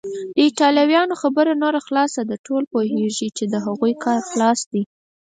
د ایټالویانو خبره نوره خلاصه ده، ټوله پوهیږي چې د هغوی کار خلاص دی.